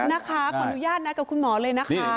นะคะขออนุญาตนัดกับคุณหมอเลยนะคะ